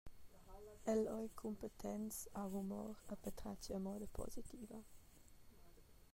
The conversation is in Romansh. El ei cumpetents, ha humor e patratga a moda positiva.